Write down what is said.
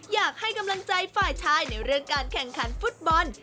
อยากให้กำลังใจฝ่ายชายในเรื่องการแข่งขันฟุตบอล